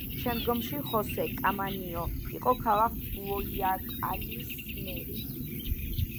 შემდგომში ხოსე კამანიო იყო ქალაქ გუაიაკილის მერი.